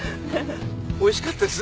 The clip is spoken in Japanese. おいしかったです。